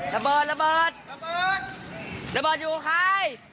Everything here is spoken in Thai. ระเบิดระเบิดระเบิดระเบิดอยู่ใคร